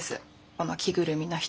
この着ぐるみの人。